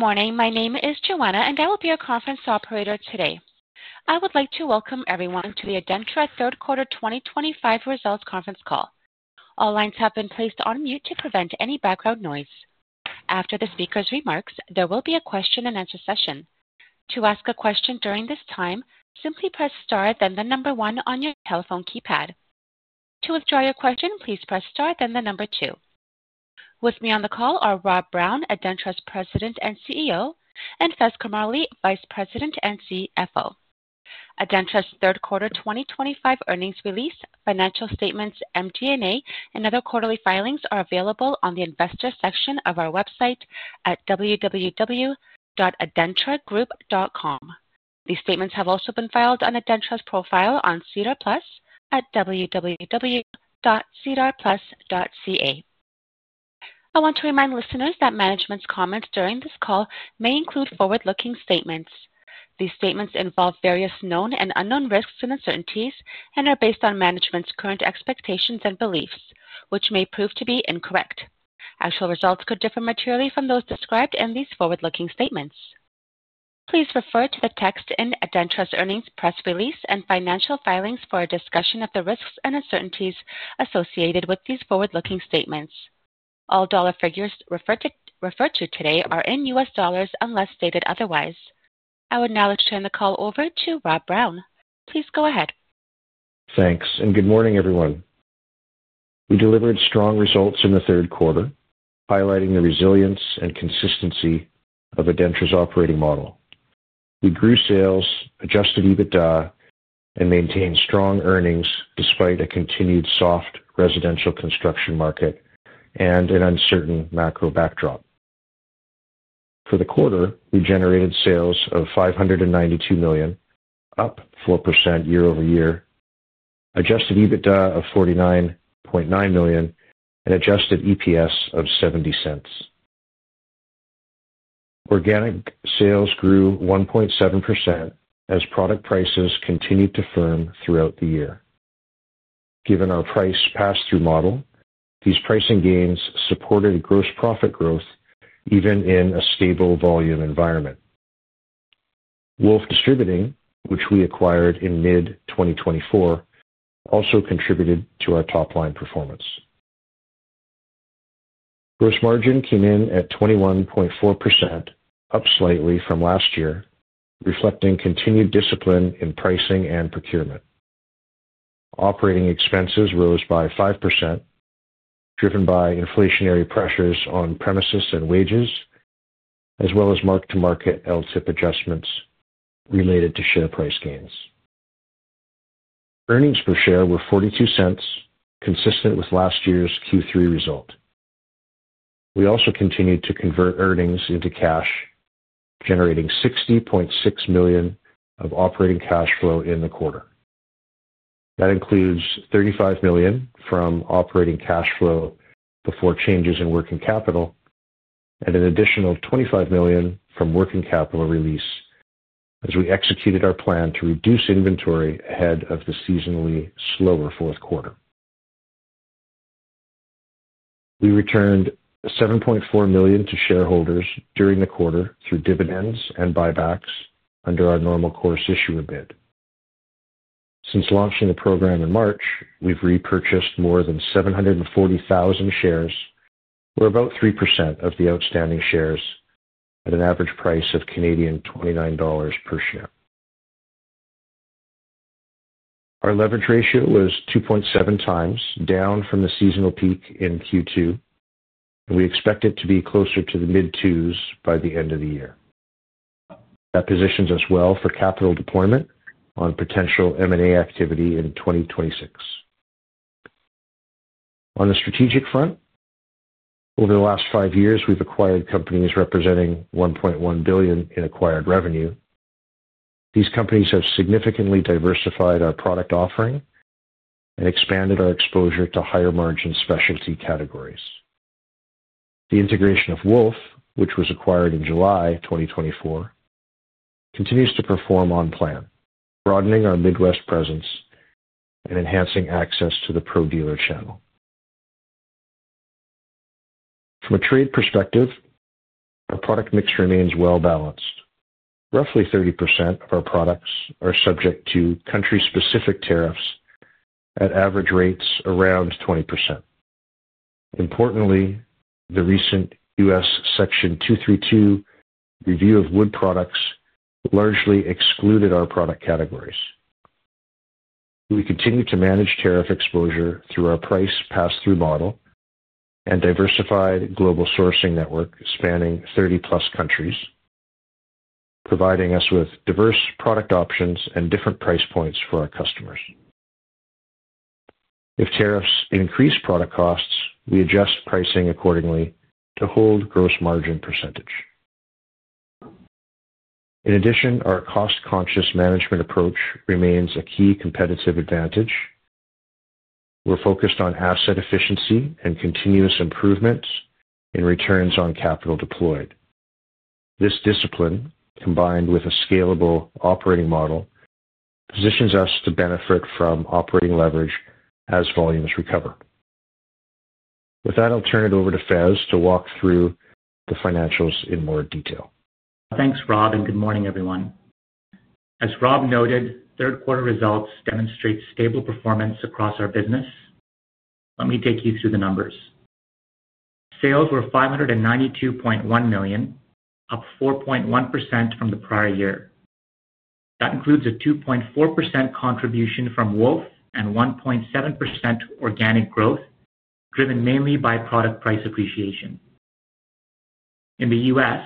Good morning. My name is Joanna, and I will be your conference operator today. I would like to welcome everyone to the ADENTRA third quarter 2025 results conference call. All lines have been placed on mute to prevent any background noise. After the speaker's remarks, there will be a question-and-answer session. To ask a question during this time, simply press star, then the number one on your telephone keypad. To withdraw your question, please press star, then the number two. With me on the call are Rob Brown, ADENTRA's President and CEO, and Faiz Karmally, Vice President and CFO. ADENTRA's third quarter 2025 earnings release, financial statements, MG&A, and other quarterly filings are available on the investor section of our website at www.adentragroup.com. These statements have also been filed on ADENTRA's profile on SEDAR Plus at www.sedarplus.ca. I want to remind listeners that management's comments during this call may include forward-looking statements. These statements involve various known and unknown risks and uncertainties and are based on management's current expectations and beliefs, which may prove to be incorrect. Actual results could differ materially from those described in these forward-looking statements. Please refer to the text in ADENTRA's earnings press release and financial filings for a discussion of the risks and uncertainties associated with these forward-looking statements. All dollar figures referred to today are in U.S. dollars unless stated otherwise. I would now like to turn the call over to Rob Brown. Please go ahead. Thanks, and good morning, everyone. We delivered strong results in the third quarter, highlighting the resilience and consistency of ADENTRA's operating model. We grew sales, Adjusted EBITDA, and maintained strong earnings despite a continued soft residential construction market and an uncertain macro backdrop. For the quarter, we generated sales of $592 million, up 4% year-over-year, Adjusted EBITDA of $49.9 million, and Adjusted EPS of $0.70. Organic sales grew 1.7% as product prices continued to firm throughout the year. Given our price pass-through model, these pricing gains supported gross profit growth even in a stable volume environment. Woolf Distributing, which we acquired in mid-2024, also contributed to our top-line performance. Gross margin came in at 21.4%, up slightly from last year, reflecting continued discipline in pricing and procurement. Operating expenses rose by 5%, driven by inflationary pressures on premises and wages, as well as mark-to-market LTIP adjustments related to share price gains. Earnings per share were $0.42, consistent with last year's Q3 result. We also continued to convert earnings into cash, generating $60.6 million of operating cash flow in the quarter. That includes $35 million from operating cash flow before changes in working capital and an additional $25 million from working capital release as we executed our plan to reduce inventory ahead of the seasonally slower fourth quarter. We returned $7.4 million to shareholders during the quarter through dividends and buybacks under our normal course issuer bid. Since launching the program in March, we've repurchased more than 740,000 shares, or about 3% of the outstanding shares, at an average price of 29 Canadian dollars per share. Our leverage ratio was 2.7 times, down from the seasonal peak in Q2, and we expect it to be closer to the mid-twos by the end of the year. That positions us well for capital deployment on potential M&A activity in 2026. On the strategic front, over the last five years, we've acquired companies representing $1.1 billion in acquired revenue. These companies have significantly diversified our product offering and expanded our exposure to higher-margin specialty categories. The integration of Woolf, which was acquired in July 2024, continues to perform on plan, broadening our Midwest presence and enhancing access to the Pro Dealer channel. From a trade perspective, our product mix remains well-balanced. Roughly 30% of our products are subject to country-specific tariffs at average rates around 20%. Importantly, the recent U.S. Section 232 review of wood products largely excluded our product categories. We continue to manage tariff exposure through our price pass-through model and diversified global sourcing network spanning 30+ countries, providing us with diverse product options and different price points for our customers. If tariffs increase product costs, we adjust pricing accordingly to hold gross margin percentage. In addition, our cost-conscious management approach remains a key competitive advantage. We're focused on asset efficiency and continuous improvement in returns on capital deployed. This discipline, combined with a scalable operating model, positions us to benefit from operating leverage as volumes recover. With that, I'll turn it over to Faiz to walk through the financials in more detail. Thanks, Rob, and good morning, everyone. As Rob noted, third-quarter results demonstrate stable performance across our business. Let me take you through the numbers. Sales were $592.1 million, up 4.1% from the prior year. That includes a 2.4% contribution from Woolf and 1.7% organic growth, driven mainly by product price appreciation. In the U.S.,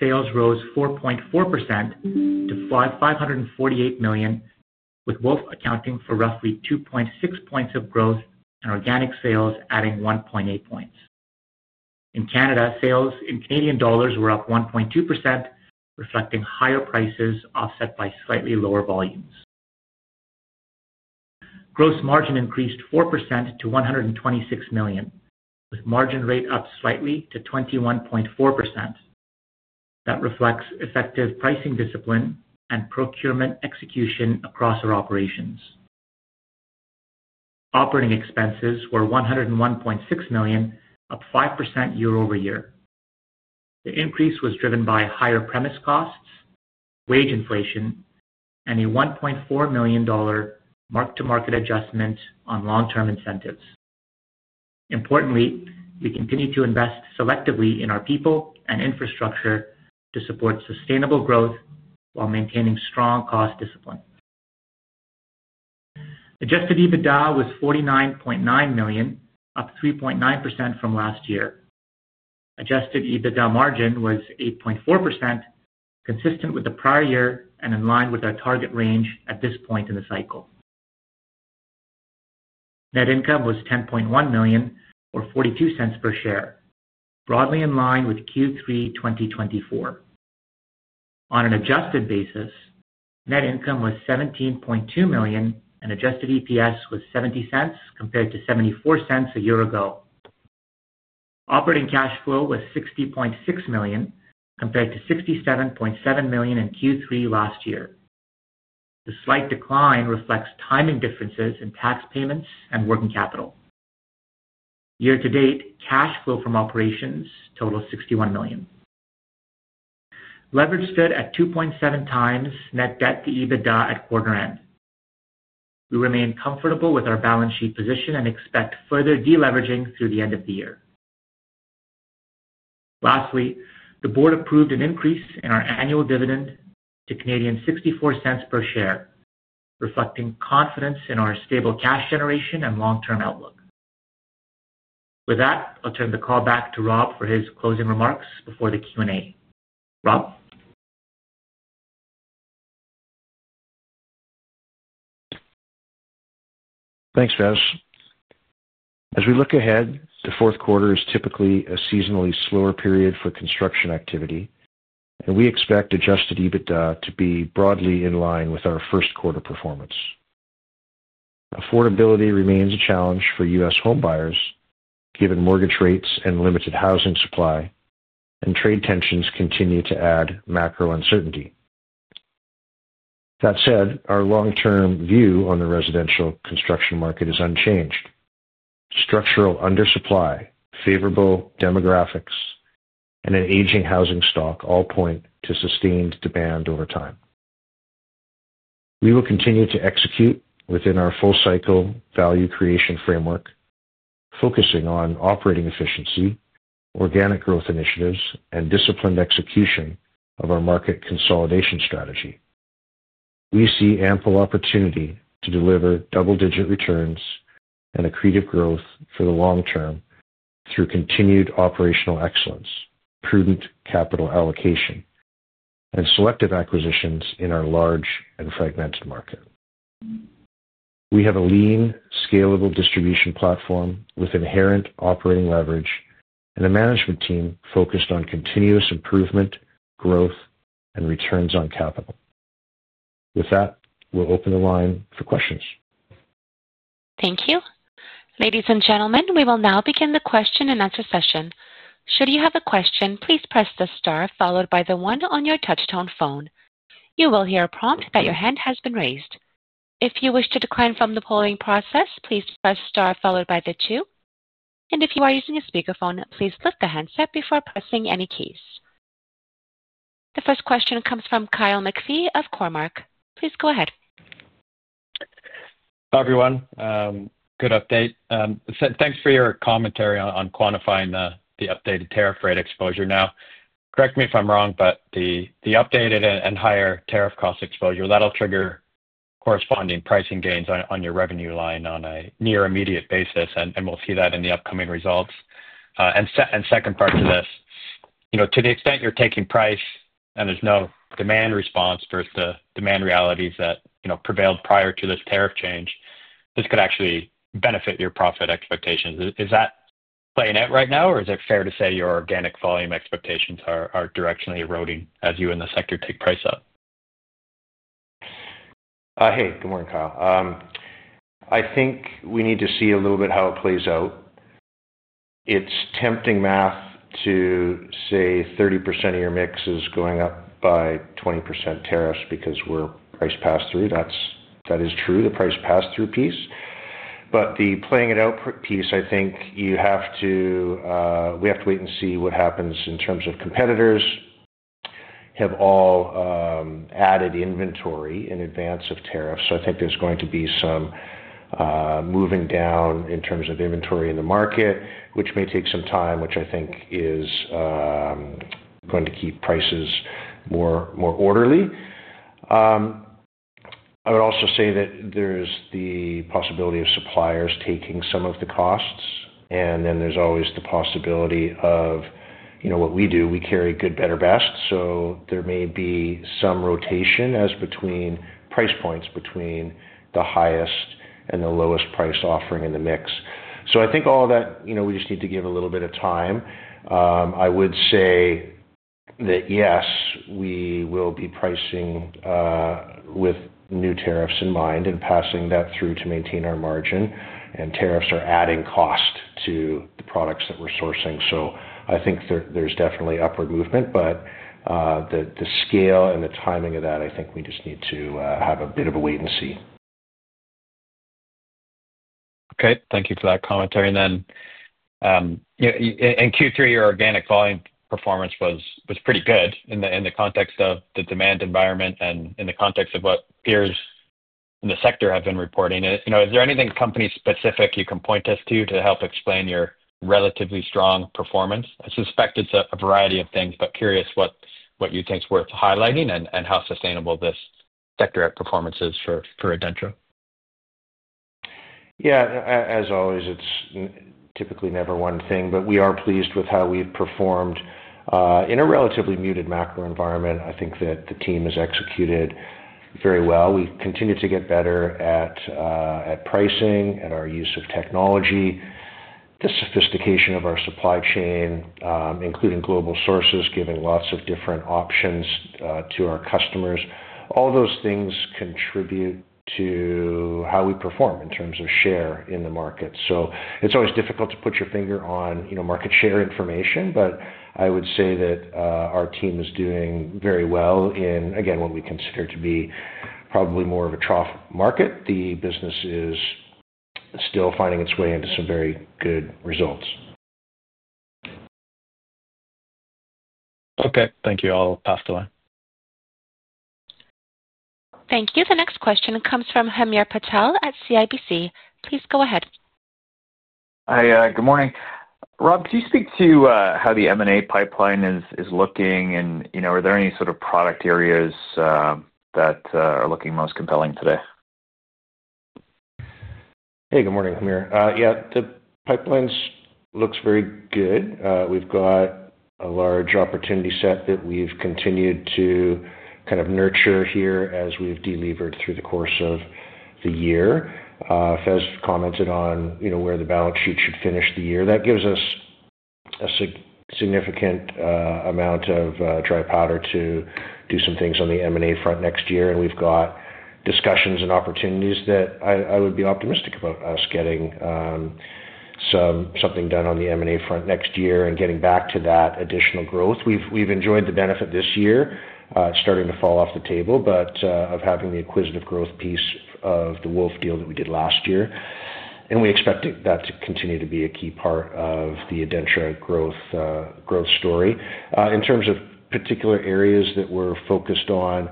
sales rose 4.4% to $548 million, with Woolf accounting for roughly 2.6 points of growth and organic sales adding 1.8 points. In Canada, sales in Canadian dollars were up 1.2%, reflecting higher prices offset by slightly lower volumes. Gross margin increased 4% to $126 million, with margin rate up slightly to 21.4%. That reflects effective pricing discipline and procurement execution across our operations. Operating expenses were $101.6 million, up 5% year-over-year. The increase was driven by higher premise costs, wage inflation, and a $1.4 million mark-to-market adjustment on long-term incentives. Importantly, we continue to invest selectively in our people and infrastructure to support sustainable growth while maintaining strong cost discipline. Adjusted EBITDA was $49.9 million, up 3.9% from last year. Adjusted EBITDA margin was 8.4%, consistent with the prior year and in line with our target range at this point in the cycle. Net income was $10.1 million, or $0.42 per share, broadly in line with Q3 2024. On an adjusted basis, net income was $17.2 million, and Adjusted EPS was $0.70 compared to $0.74 a year ago. Operating cash flow was $60.6 million, compared to $67.7 million in Q3 last year. The slight decline reflects timing differences in tax payments and working capital. Year-to-date, cash flow from operations totaled $61 million. Leverage stood at 2.7 times net debt to EBITDA at quarter-end. We remain comfortable with our balance sheet position and expect further deleveraging through the end of the year. Lastly, the board approved an increase in our annual dividend to 0.64 per share, reflecting confidence in our stable cash generation and long-term outlook. With that, I'll turn the call back to Rob for his closing remarks before the Q&A. Rob? Thanks, Faiz. As we look ahead, the fourth quarter is typically a seasonally slower period for construction activity, and we expect Adjusted EBITDA to be broadly in line with our first quarter performance. Affordability remains a challenge for U.S. homebuyers, given mortgage rates and limited housing supply, and trade tensions continue to add macro uncertainty. That said, our long-term view on the residential construction market is unchanged. Structural undersupply, favorable demographics, and an aging housing stock all point to sustained demand over time. We will continue to execute within our full-cycle value creation framework, focusing on operating efficiency, organic growth initiatives, and disciplined execution of our market consolidation strategy. We see ample opportunity to deliver double-digit returns and accretive growth for the long term through continued operational excellence, prudent capital allocation, and selective acquisitions in our large and fragmented market. We have a lean, scalable distribution platform with inherent operating leverage and a management team focused on continuous improvement, growth, and returns on capital. With that, we'll open the line for questions. Thank you. Ladies and gentlemen, we will now begin the question-and-answer session. Should you have a question, please press the star followed by the one on your touch-tone phone. You will hear a prompt that your hand has been raised. If you wish to decline from the polling process, please press star followed by the two. If you are using a speakerphone, please flip the handset before pressing any keys. The first question comes from Kyle McPhee of Cormark. Please go ahead. Hi, everyone. Good update. Thanks for your commentary on quantifying the updated tariff rate exposure. Now, correct me if I'm wrong, but the updated and higher tariff cost exposure, that'll trigger corresponding pricing gains on your revenue line on a near-immediate basis, and we'll see that in the upcoming results. Second part to this, to the extent you're taking price and there's no demand response versus the demand realities that prevailed prior to this tariff change, this could actually benefit your profit expectations. Is that playing out right now, or is it fair to say your organic volume expectations are directionally eroding as you and the sector take price up? Hey, good morning, Kyle. I think we need to see a little bit how it plays out. It's tempting math to say 30% of your mix is going up by 20% tariffs because we're price pass-through. That is true, the price pass-through piece. The playing-it-out piece, I think you have to—we have to wait and see what happens in terms of competitors have all added inventory in advance of tariffs. I think there's going to be some moving down in terms of inventory in the market, which may take some time, which I think is going to keep prices more orderly. I would also say that there's the possibility of suppliers taking some of the costs, and then there's always the possibility of what we do; we carry good, better, best. There may be some rotation between price points between the highest and the lowest price offering in the mix. I think all of that, we just need to give a little bit of time. I would say that, yes, we will be pricing with new tariffs in mind and passing that through to maintain our margin. Tariffs are adding cost to the products that we're sourcing. I think there's definitely upward movement, but the scale and the timing of that, I think we just need to have a bit of a wait and see. Okay. Thank you for that commentary. In Q3, your organic volume performance was pretty good in the context of the demand environment and in the context of what peers in the sector have been reporting. Is there anything company-specific you can point us to to help explain your relatively strong performance? I suspect it's a variety of things, but curious what you think is worth highlighting and how sustainable this sector at performance is for ADENTRA. Yeah. As always, it's typically never one thing, but we are pleased with how we've performed in a relatively muted macro environment. I think that the team has executed very well. We continue to get better at pricing, at our use of technology, the sophistication of our supply chain, including global sources, giving lots of different options to our customers. All those things contribute to how we perform in terms of share in the market. It's always difficult to put your finger on market share information, but I would say that our team is doing very well in, again, what we consider to be probably more of a trough market. The business is still finding its way into some very good results. Okay. Thank you. I'll pass the line. Thank you. The next question comes from Hamir Patel at CIBC. Please go ahead. Hi. Good morning. Rob, could you speak to how the M&A pipeline is looking, and are there any sort of product areas that are looking most compelling today? Hey, good morning, Hamir. Yeah, the pipeline looks very good. We've got a large opportunity set that we've continued to kind of nurture here as we've delivered through the course of the year. Faiz commented on where the balance sheet should finish the year. That gives us a significant amount of dry powder to do some things on the M&A front next year. We've got discussions and opportunities that I would be optimistic about us getting something done on the M&A front next year and getting back to that additional growth. We've enjoyed the benefit this year, starting to fall off the table, but of having the acquisitive growth piece of the Woolf deal that we did last year. We expect that to continue to be a key part of the ADENTRA growth story. In terms of particular areas that we're focused on,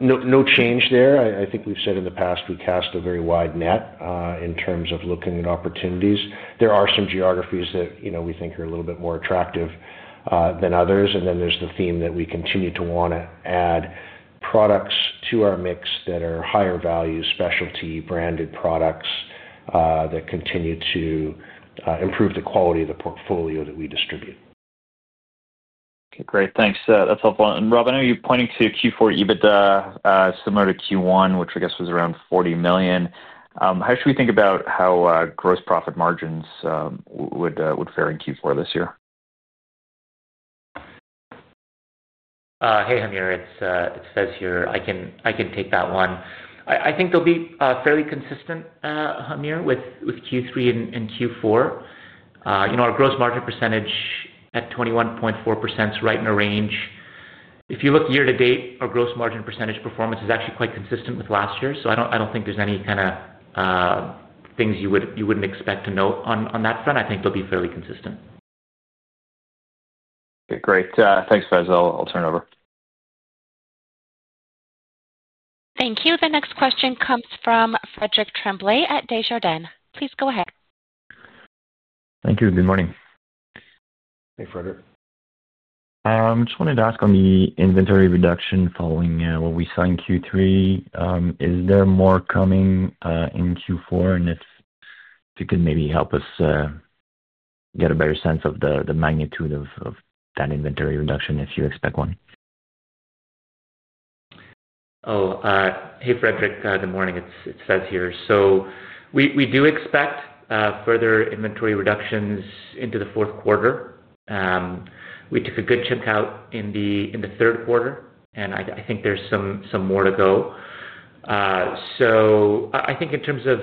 no change there. I think we've said in the past we cast a very wide net in terms of looking at opportunities. There are some geographies that we think are a little bit more attractive than others. There is the theme that we continue to want to add products to our mix that are higher value, specialty, branded products that continue to improve the quality of the portfolio that we distribute. Okay. Great. Thanks. That's helpful. Rob, I know you're pointing to Q4 EBITDA similar to Q1, which I guess was around $40 million. How should we think about how gross profit margins would fare in Q4 this year? Hey, Hamir. It's Faiz here. I can take that one. I think they'll be fairly consistent, Hamir, with Q3 and Q4. Our gross margin percentage at 21.4% is right in a range. If you look year-to-date, our gross margin percentage performance is actually quite consistent with last year. I don't think there's any kind of things you wouldn't expect to note on that front. I think they'll be fairly consistent. Okay. Great. Thanks, Faiz. I'll turn it over. Thank you. The next question comes from Frederic Tremblay at Desjardins. Please go ahead. Thank you. Good morning. Hey, Frederic. I just wanted to ask on the inventory reduction following what we saw in Q3. Is there more coming in Q4? If you could maybe help us get a better sense of the magnitude of that inventory reduction if you expect one. Oh. Hey, Frederic. Good morning. It's Faiz here. We do expect further inventory reductions into the fourth quarter. We took a good chunk out in the third quarter, and I think there's some more to go. I think in terms of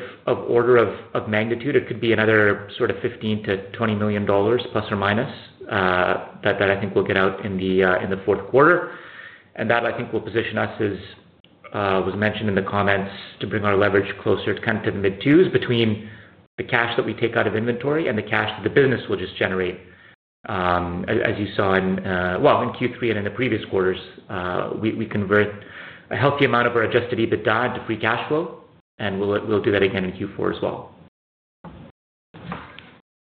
order of magnitude, it could be another sort of $15 million-$20 million, plus or minus, that I think will get out in the fourth quarter. That, I think, will position us, as was mentioned in the comments, to bring our leverage closer kind of to the mid-2s between the cash that we take out of inventory and the cash that the business will just generate. As you saw in, in Q3 and in the previous quarters, we convert a healthy amount of our Adjusted EBITDA into free cash flow, and we'll do that again in Q4 as well.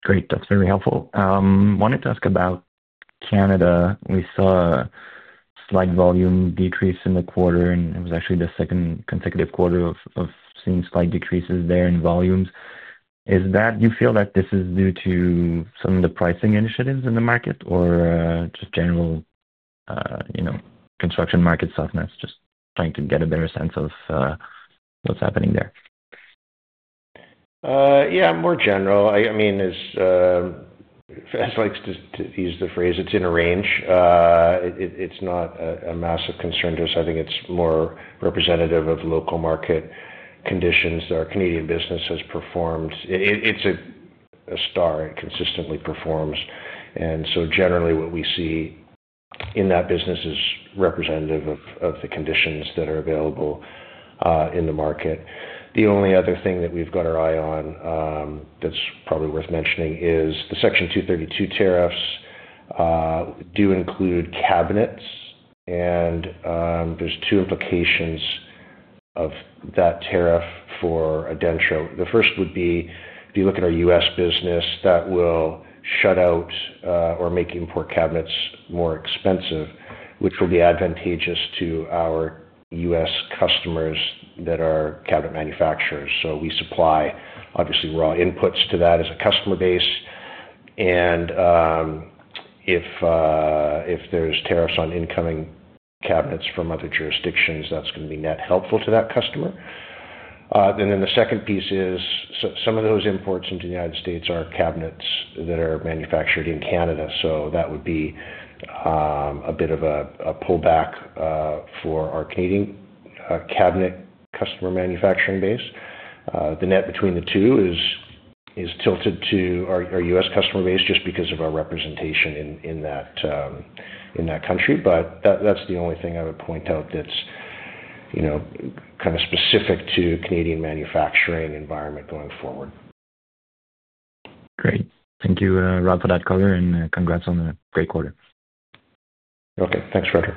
Great. That's very helpful. I wanted to ask about Canada. We saw a slight volume decrease in the quarter, and it was actually the second consecutive quarter of seeing slight decreases there in volumes. Do you feel that this is due to some of the pricing initiatives in the market or just general construction market softness, just trying to get a better sense of what's happening there? Yeah, more general. I mean, as Faiz likes to use the phrase, it's in a range. It's not a massive concern to us. I think it's more representative of local market conditions that our Canadian business has performed. It's a star. It consistently performs. Generally, what we see in that business is representative of the conditions that are available in the market. The only other thing that we've got our eye on that's probably worth mentioning is the Section 232 tariffs do include cabinets, and there's two implications of that tariff for ADENTRA. The first would be, if you look at our U.S. business, that will shut out or make import cabinets more expensive, which will be advantageous to our U.S. customers that are cabinet manufacturers. We supply, obviously, raw inputs to that as a customer base. If there's tariffs on incoming cabinets from other jurisdictions, that's going to be net helpful to that customer. The second piece is some of those imports into the United States are cabinets that are manufactured in Canada. That would be a bit of a pullback for our Canadian cabinet customer manufacturing base. The net between the two is tilted to our U.S. customer base just because of our representation in that country. That's the only thing I would point out that's kind of specific to the Canadian manufacturing environment going forward. Great. Thank you, Rob, for that color, and congrats on a great quarter. Okay. Thanks, Frederic.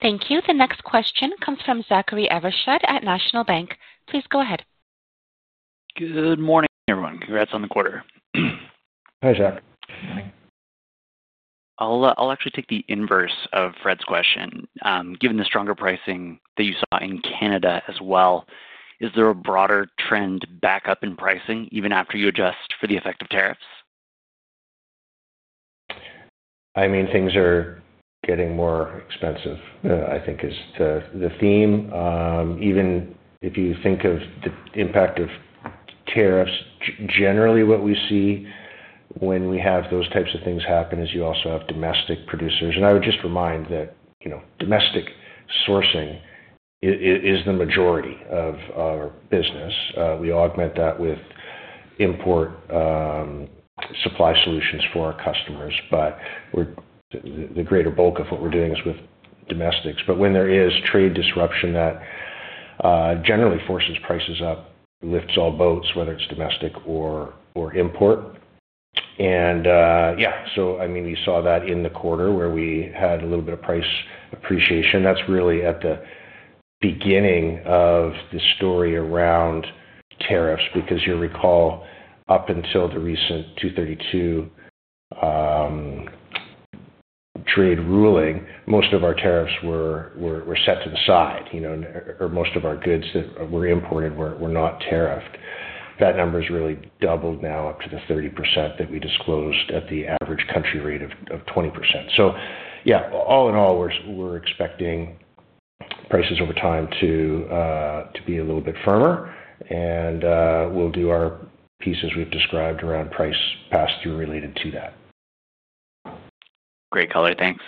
Thank you. The next question comes from Zachary Evershed at National Bank. Please go ahead. Good morning, everyone. Congrats on the quarter. Hi, Zach. Morning. I'll actually take the inverse of Fred's question. Given the stronger pricing that you saw in Canada as well, is there a broader trend back up in pricing even after you adjust for the effect of tariffs? I mean, things are getting more expensive, I think, is the theme. Even if you think of the impact of tariffs, generally, what we see when we have those types of things happen is you also have domestic producers. I would just remind that domestic sourcing is the majority of our business. We augment that with import supply solutions for our customers. The greater bulk of what we're doing is with domestics. When there is trade disruption that generally forces prices up, lifts all boats, whether it's domestic or import. Yeah, I mean, we saw that in the quarter where we had a little bit of price appreciation. That's really at the beginning of the story around tariffs because you'll recall up until the recent Section 232 trade ruling, most of our tariffs were set to the side, or most of our goods that were imported were not tariffed. That number has really doubled now up to the 30% that we disclosed at the average country rate of 20%. Yeah, all in all, we're expecting prices over time to be a little bit firmer, and we'll do our pieces we've described around price pass-through related to that. Great color. Thanks.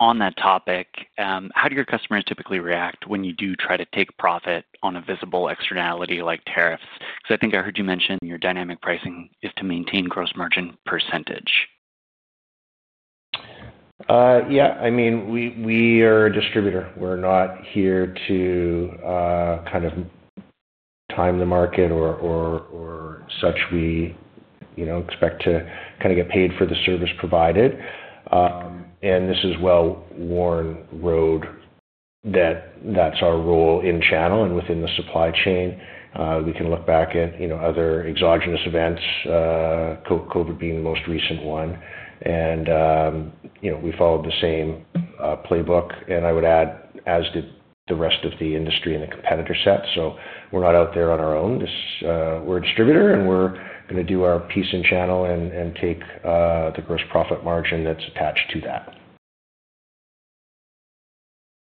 On that topic, how do your customers typically react when you do try to take profit on a visible externality like tariffs? I think I heard you mention your dynamic pricing is to maintain gross margin percentage. Yeah. I mean, we are a distributor. We're not here to kind of time the market or such. We expect to kind of get paid for the service provided. This is well-worn road that that's our role in channel and within the supply chain. We can look back at other exogenous events, COVID being the most recent one. We followed the same playbook, and I would add, as did the rest of the industry and the competitor set. We're not out there on our own. We're a distributor, and we're going to do our piece in channel and take the gross profit margin that's attached to that.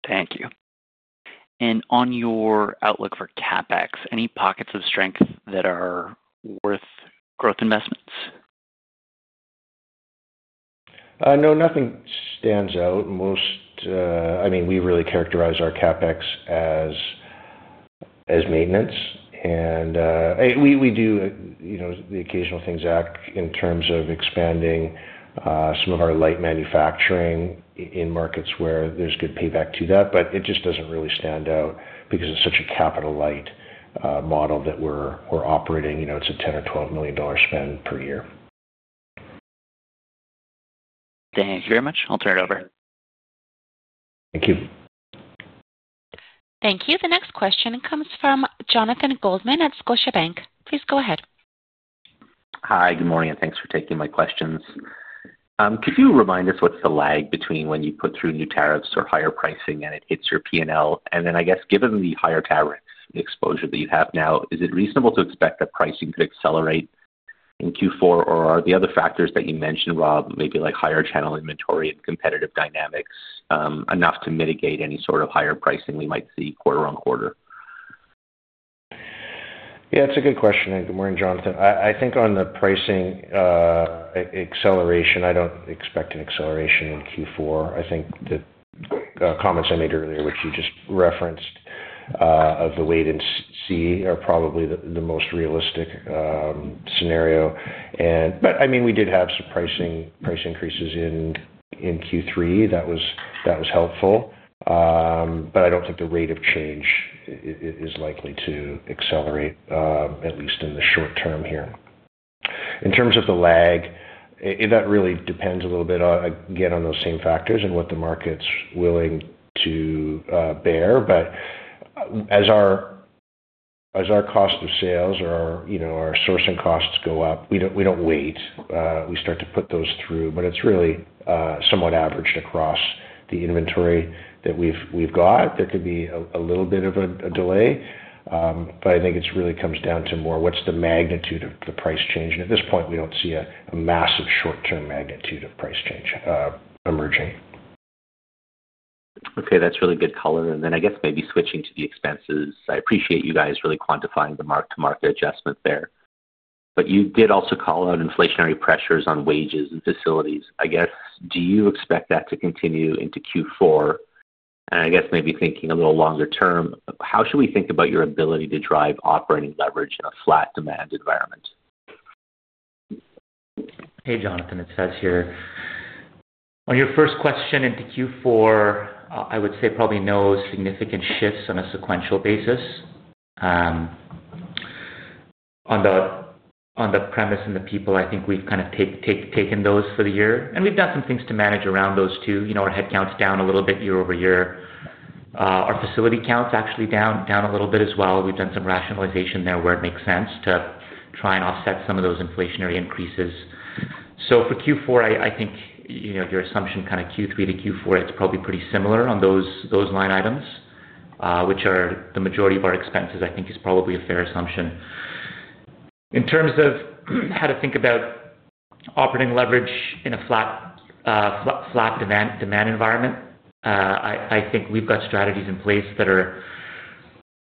Thank you. On your outlook for CapEx, any pockets of strength that are worth growth investments? No, nothing stands out. I mean, we really characterize our CapEx as maintenance. We do the occasional thing, Zach, in terms of expanding some of our light manufacturing in markets where there's good payback to that. It just doesn't really stand out because it's such a capital light model that we're operating. It's a $10 million-$12 million spend per year. Thank you very much. I'll turn it over. Thank you. Thank you. The next question comes from Jonathan Goldsman at Scotiabank. Please go ahead. Hi. Good morning, and thanks for taking my questions. Could you remind us what's the lag between when you put through new tariffs or higher pricing and it hits your P&L? I guess, given the higher tariff exposure that you have now, is it reasonable to expect that pricing could accelerate in Q4? Are the other factors that you mentioned, Rob, maybe like higher channel inventory and competitive dynamics, enough to mitigate any sort of higher pricing we might see quarter on quarter? Yeah, it's a good question. Good morning, Jonathan. I think on the pricing acceleration, I don't expect an acceleration in Q4. I think the comments I made earlier, which you just referenced, of the wait and see are probably the most realistic scenario. I mean, we did have some price increases in Q3. That was helpful. I don't think the rate of change is likely to accelerate, at least in the short term here. In terms of the lag, that really depends a little bit, again, on those same factors and what the market's willing to bear. As our cost of sales or our sourcing costs go up, we don't wait. We start to put those through. It's really somewhat averaged across the inventory that we've got. There could be a little bit of a delay. I think it really comes down to more, what's the magnitude of the price change. At this point, we don't see a massive short-term magnitude of price change emerging. Okay. That's really good color. I guess maybe switching to the expenses, I appreciate you guys really quantifying the mark-to-market adjustment there. You did also call out inflationary pressures on wages and facilities. I guess, do you expect that to continue into Q4? I guess maybe thinking a little longer term, how should we think about your ability to drive operating leverage in a flat demand environment? Hey, Jonathan. It's Faiz here. On your first question into Q4, I would say probably no significant shifts on a sequential basis. On the premise and the people, I think we've kind of taken those for the year. And we've done some things to manage around those too. Our headcount's down a little bit year-over-year. Our facility count's actually down a little bit as well. We've done some rationalization there where it makes sense to try and offset some of those inflationary increases. For Q4, I think your assumption kind of Q3 to Q4, it's probably pretty similar on those line items, which are the majority of our expenses, I think is probably a fair assumption. In terms of how to think about operating leverage in a flat demand environment, I think we've got strategies in place that are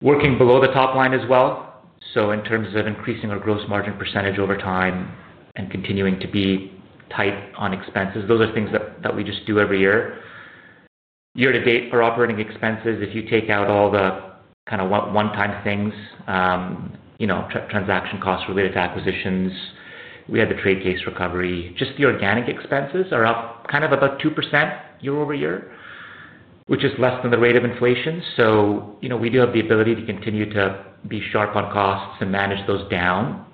working below the top line as well. In terms of increasing our gross margin percentage over time and continuing to be tight on expenses, those are things that we just do every year. Year to date for operating expenses, if you take out all the kind of one-time things, transaction costs related to acquisitions, we had the trade case recovery. Just the organic expenses are up kind of about 2% year-over-year, which is less than the rate of inflation. We do have the ability to continue to be sharp on costs and manage those down.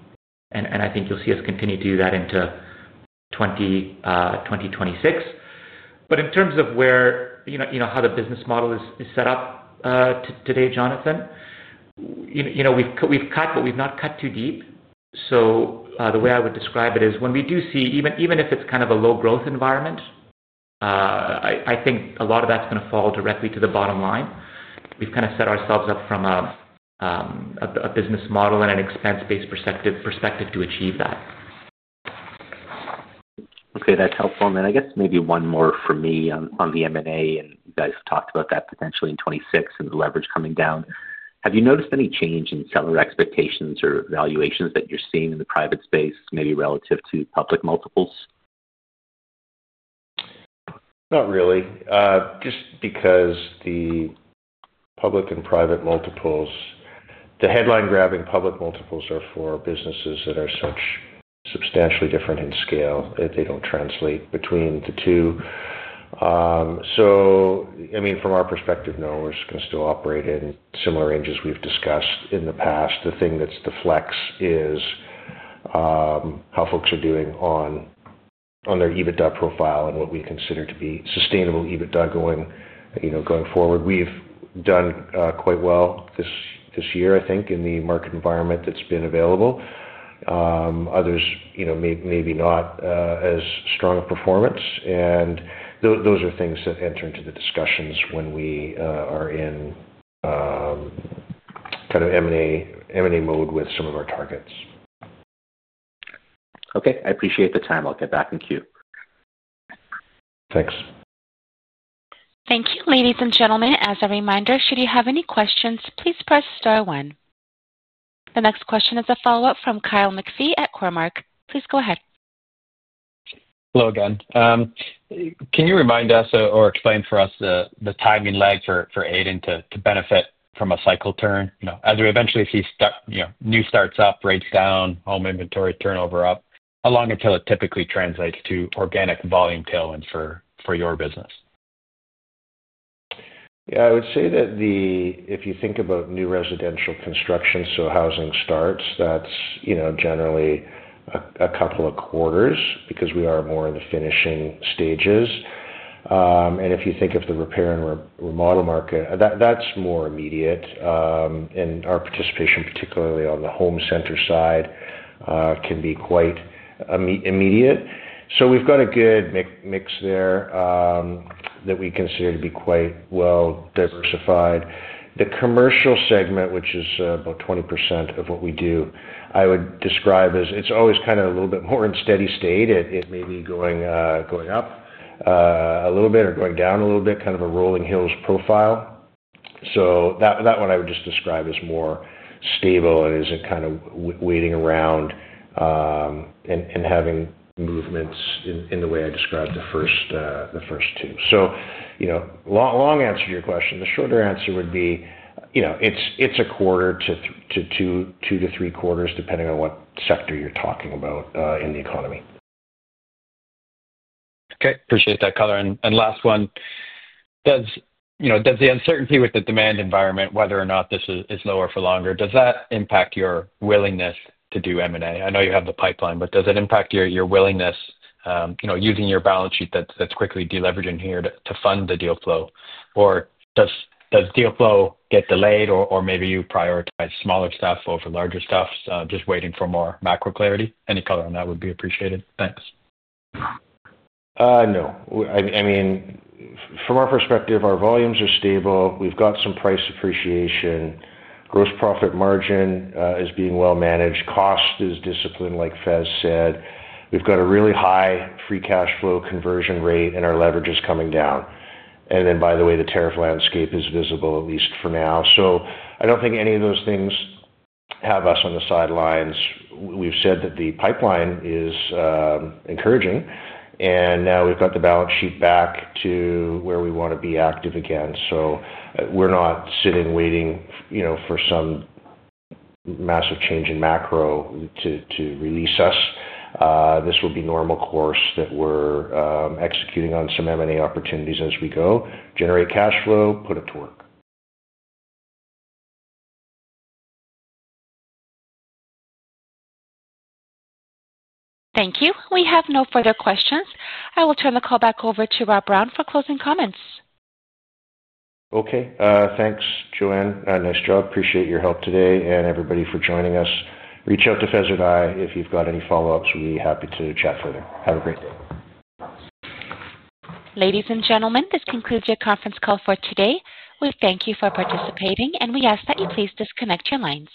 I think you'll see us continue to do that into 2026. In terms of how the business model is set up today, Jonathan, we've cut, but we've not cut too deep. The way I would describe it is, when we do see, even if it's kind of a low-growth environment, I think a lot of that's going to fall directly to the bottom line. We've kind of set ourselves up from a business model and an expense-based perspective to achieve that. Okay. That's helpful. I guess maybe one more for me on the M&A, and you guys have talked about that potentially in 2026 and the leverage coming down. Have you noticed any change in seller expectations or valuations that you're seeing in the private space, maybe relative to public multiples? Not really. Just because the public and private multiples, the headline-grabbing public multiples are for businesses that are such substantially different in scale that they do not translate between the two. I mean, from our perspective, no, we are just going to still operate in similar ranges we have discussed in the past. The thing that is the flex is how folks are doing on their EBITDA profile and what we consider to be sustainable EBITDA going forward. We have done quite well this year, I think, in the market environment that has been available. Others, maybe not as strong a performance. Those are things that enter into the discussions when we are in kind of M&A mode with some of our targets. Okay. I appreciate the time. I'll get back in queue. Thanks. Thank you, ladies and gentlemen. As a reminder, should you have any questions, please press star one. The next question is a follow-up from Kyle McPhee at Cormark. Please go ahead. Hello again. Can you remind us or explain for us the timing lag for ADENTRA to benefit from a cycle turn? As we eventually see new starts up, rates down, home inventory turnover up, how long until it typically translates to organic volume tailwinds for your business? Yeah. I would say that if you think about new residential construction, so housing starts, that's generally a couple of quarters because we are more in the finishing stages. If you think of the repair and remodel market, that's more immediate. Our participation, particularly on the home center side, can be quite immediate. We've got a good mix there that we consider to be quite well-diversified. The commercial segment, which is about 20% of what we do, I would describe as it's always kind of a little bit more in steady state. It may be going up a little bit or going down a little bit, kind of a rolling hills profile. That one I would just describe as more stable and isn't kind of waiting around and having movements in the way I described the first two. Long answer to your question. The shorter answer would be it's a quarter to two to three quarters, depending on what sector you're talking about in the economy. Okay. Appreciate that color. Last one, does the uncertainty with the demand environment, whether or not this is lower for longer, does that impact your willingness to do M&A? I know you have the pipeline, but does it impact your willingness using your balance sheet that's quickly deleveraging here to fund the deal flow? Does deal flow get delayed, or maybe you prioritize smaller stuff over larger stuff, just waiting for more macro clarity? Any color on that would be appreciated. Thanks. No. I mean, from our perspective, our volumes are stable. We've got some price appreciation. Gross profit margin is being well-managed. Cost is disciplined, like Faiz said. We've got a really high free cash flow conversion rate, and our leverage is coming down. By the way, the tariff landscape is visible, at least for now. I don't think any of those things have us on the sidelines. We've said that the pipeline is encouraging, and now we've got the balance sheet back to where we want to be active again. We're not sitting waiting for some massive change in macro to release us. This will be normal course that we're executing on some M&A opportunities as we go. Generate cash flow, put it to work. Thank you. We have no further questions. I will turn the call back over to Rob Brown for closing comments. Okay. Thanks, Joanna. Nice job. Appreciate your help today and everybody for joining us. Reach out to Faiz and I if you've got any follow-ups. We'll be happy to chat further. Have a great day. Ladies and gentlemen, this concludes your conference call for today. We thank you for participating, and we ask that you please disconnect your lines.